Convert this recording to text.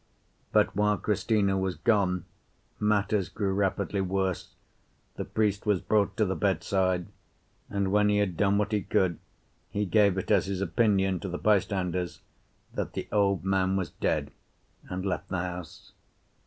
But while Cristina was gone matters grew rapidly worse, the priest was brought to the bedside, and when he had done what he could he gave it as his opinion to the bystanders that the old man was dead, and left the house.